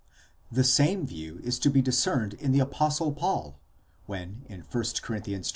The same view is to be discerned in the Apostle Paul, when in 1 Cor. xv.